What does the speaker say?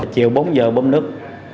chiều bốn giờ bơm nước